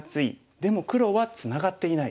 でも黒はツナがっていない。